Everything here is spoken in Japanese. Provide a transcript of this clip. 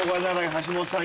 橋本さん